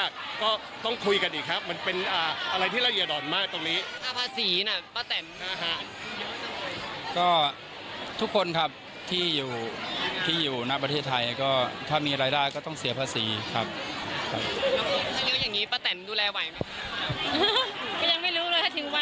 ก็ยังไม่รู้เลยถึงวันนี้กันจริงเพราะเราไม่เคยรู้เรื่องแบบนี้เท่าไหร่